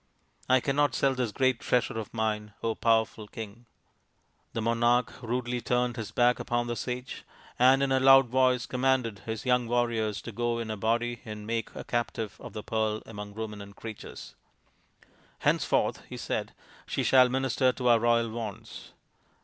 I cannot sell this great treasure of mine, powerful King !" The monarch rudely turned his back upon the sage, and in a loud voice commanded his young warriors to go in a body and make a captive of the Pearl among Ruminant Creatures. " Henceforth," he said, " she shall minister to our royal wants."